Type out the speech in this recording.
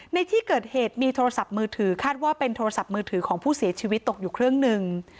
ในที่เกิดเหตุมีโทรศัพท์มือถือคาดว่าเป็นโทรศัพท์มือถือของผู้เสียชีวิตตกอยู่เครื่องหนึ่ง